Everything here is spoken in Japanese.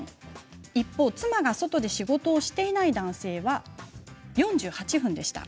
一方、妻が外で仕事をしていない男性は４８分でした。